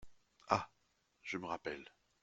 Ah ! je me rappelle !…